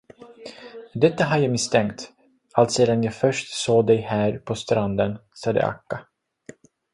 Detta har jag misstänkt, alltsedan jag först såg dig här på stranden, sade Akka.